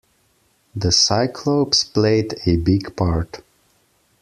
The cyclopes played a big part.